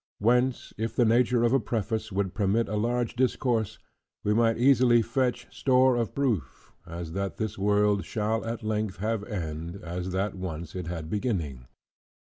Whence, if the nature of a preface would permit a larger discourse, we might easily fetch store of proof; as that this world shall at length have end, as that once it had beginning.